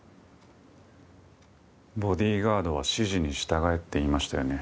ボディーガードは指示に従えって言いましたよね。